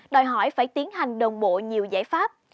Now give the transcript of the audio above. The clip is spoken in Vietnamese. đòi hỏi phải tiến hành đồng bộ nhiều giải pháp